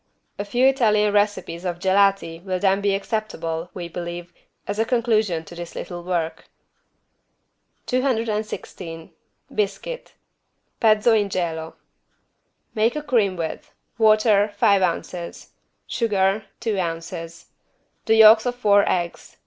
A few Italian recipes of =gelati= will then be acceptable, we believe, as a conclusion to this little work. 216 BISCUIT (Pezzo in gelo) Make a cream with: Water, five ounces. Sugar, two ounces. The yolks of four eggs.